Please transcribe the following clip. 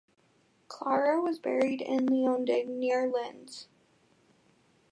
Klara was buried in Leonding near Linz.